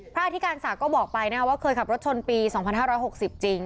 พระอธิการศักดิ์ก็บอกไปน่ะว่าเคยขับรถชนปีสองพันห้าร้อยหกสิบจริง